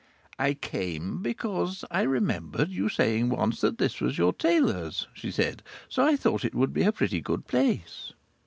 "I came here because I remembered you saying once that this was your tailor's," she said, "so I thought it would be a pretty good place."